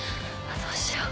どうしよう。